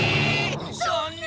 そんな！